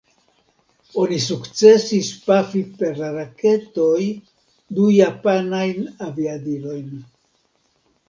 Oni sukcesis pafi per la raketoj du japanajn aviadilojn.